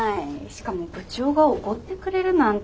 しかも部長がおごってくれるなんて。